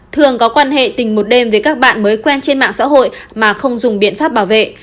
thường có quan hệ tình một đêm với các bạn mới quen trên mạng xã hội mà không dùng biện pháp bảo vệ